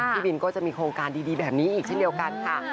พี่บินก็จะมีโครงการดีแบบนี้อีกเช่นเดียวกันค่ะ